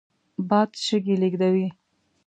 باد شګې لېږدوي